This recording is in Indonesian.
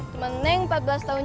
tapi saya juga empat belas tahun